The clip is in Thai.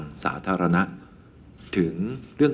จะอนเตือนถูกของคุณตัวเอง